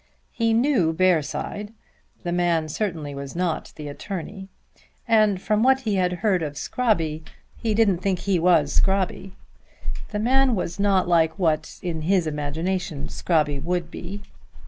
He knew Bearside. The man certainly was not the attorney, and from what he had heard of Scrobby he didn't think he was Scrobby. The man was not like what in his imagination Scrobby would be.